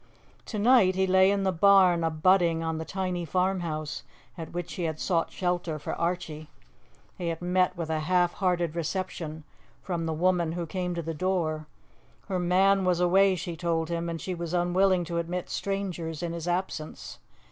To night he lay in the barn abutting on the tiny farmhouse at which he had sought shelter for Archie. He had met with a half hearted reception from the woman who came to the door. Her man was away, she told him, and she was unwilling to admit strangers in his absence.